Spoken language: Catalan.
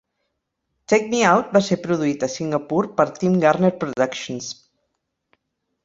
"Take Me Out" va ser produït a Singapur per Tim Garner Productions.